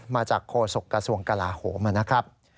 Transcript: มาจากโฆษกระทรวงกลาโหมนะครับ